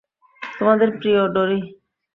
তোমাদের প্রিয়, ডোরি।